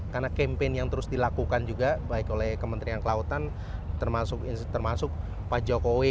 karena campaign yang terus dilakukan juga baik oleh kementerian kelautan termasuk pak jokowi